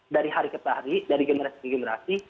dari hari ke hari dari generasi ke generasi